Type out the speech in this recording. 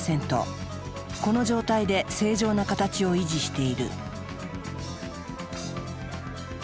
この状態で正常な形を維持している。